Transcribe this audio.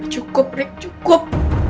cukup rick cukup